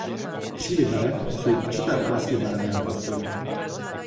Třídy barev jsou určité oblasti v barevném prostoru.